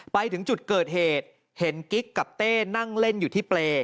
ไปถึงจุดเกิดเหตุเห็นกิ๊กกับเต้นั่งเล่นอยู่ที่เปรย์